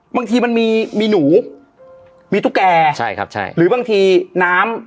บางทีมันมีมีหนูมีตุ๊กแก่ใช่ครับใช่หรือบางทีน้ำ